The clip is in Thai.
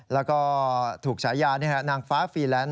แล้วก็ถูกฉายานางฟ้าฟีแลนซ์